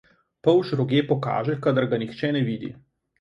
Polž roge pokaže, kadar ga nihče ne vidi.